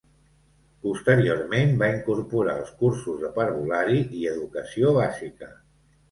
Posteriorment va incorporar els cursos de parvulari i educació bàsica.